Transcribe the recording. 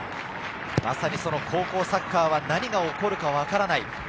まさにその高校サッカーは何が起こるか分からない。